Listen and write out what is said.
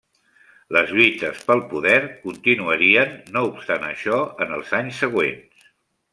Les lluites pel poder continuarien, no obstant això, en els anys següents.